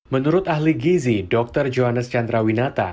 menurut ahli gizi dr johannes chandra winata